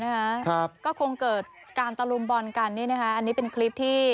นะครับก็คงเกิดการตะลุมบอลกันนี่นะคะอันนี้เป็นคลิปที่